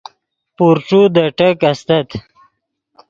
پورݯو دے ٹیک استت